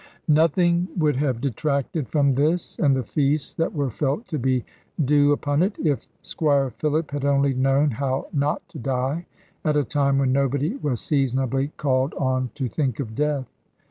Nothing would have detracted from this, and the feasts that were felt to be due upon it, if Squire Philip had only known how not to die at a time when nobody was seasonably called on to think of death.